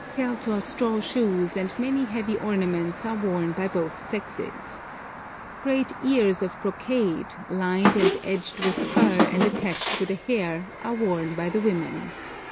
Felt or straw shoes and many heavy ornaments are worn by both sexes. Great ears of brocade, lined and edged with fur and attached to the hair, are worn by the women.